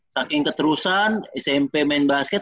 saking keterusan smp main basket